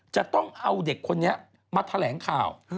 จะต้องเอาเด็กคนนี้มาแถลงข่าว